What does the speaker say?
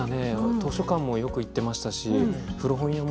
図書館もよく行っていましたし